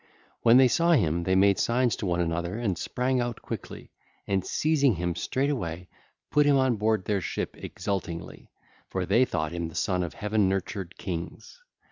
When they saw him they made signs to one another and sprang out quickly, and seizing him straightway, put him on board their ship exultingly; for they thought him the son of heaven nurtured kings.